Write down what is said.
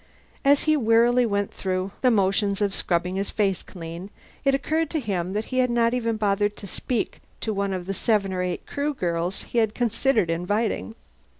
As he wearily went through the motions of scrubbing his face clean, it occurred to him that he had not even bothered to speak to one of the seven or eight Crew girls he had considered inviting.